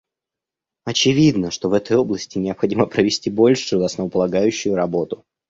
Очевидно, что в этой области необходимо провести большую основополагающую работу.